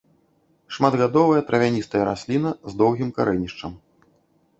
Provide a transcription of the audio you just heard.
Шматгадовая травяністая расліна з доўгім карэнішчам.